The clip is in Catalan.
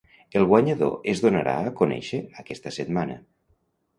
El guanyador es donarà a conèixer aquesta setmana.